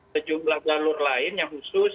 sejumlah jalur lain yang khusus